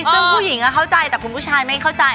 ซึ่งผู้หญิงก็เข้าใจแต่คุณผู้ชายไม่เข้าใจ